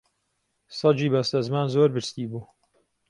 سەگی بەستەزمان زۆر برسی بوو